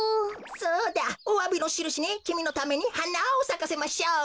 そうだおわびのしるしにきみのためにはなをさかせましょう。